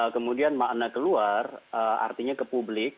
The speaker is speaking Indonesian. kemudian makna ke luar artinya ke publik